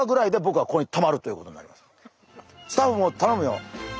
スタッフも頼むよ。